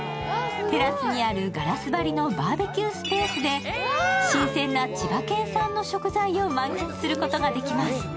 テラスにあるガラス張りのバーベキュースペースで新鮮な千葉県産の食材を満喫することができます。